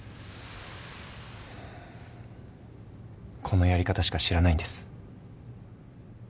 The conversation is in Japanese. このやり方しか知らないんです。